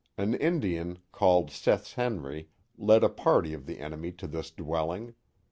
An Indian called Seth's Henry led a party of the enemy to tliis dwelling.